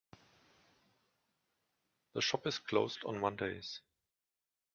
The shop is closed on mondays.